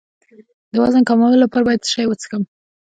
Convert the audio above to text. د وزن کمولو لپاره باید څه شی وڅښم؟